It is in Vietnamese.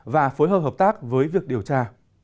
và phối hợp hợp tác với việc điều tra